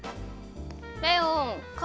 レオン！か